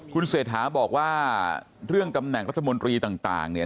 คุณเศรษฐาบอกว่าเรื่องตำแหน่งรัฐมนตรีต่างเนี่ย